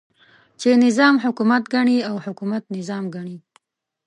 چې نظام حکومت ګڼي او حکومت نظام ګڼي.